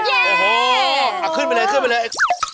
โอ้โหขึ้นไปเลยเคลื่อนขึ้นไปเลย